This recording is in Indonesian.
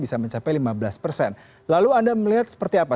siap menghadapi pemilu dua ribu dua puluh empat